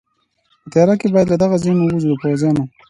په تېاره کې به له دغه ځایه ووځو، د پوځیانو.